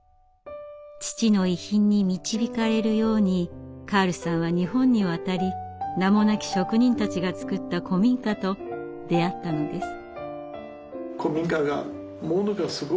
父の遺品に導かれるようにカールさんは日本に渡り名もなき職人たちが造った古民家と出会ったのです。